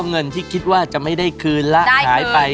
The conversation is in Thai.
เงินที่คิดว่าจะไม่ได้คืนและหายไป